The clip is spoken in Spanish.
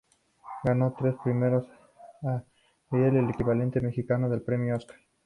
Ganó tres Premios Ariel, el equivalente mexicano del premio Oscar.